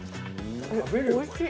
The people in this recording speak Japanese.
おいしっ。